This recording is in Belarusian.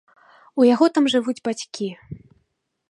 У яго там жывуць бацькі.